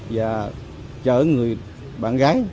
và chở người bạn gái